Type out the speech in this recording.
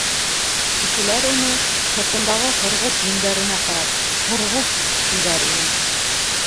Кешеләр уны, һыртындағы һорғолт йөндәренә ҡарап, «Һорғолт», тиҙәр ине.